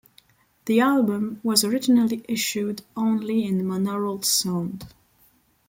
The album was originally issued only in monaural sound.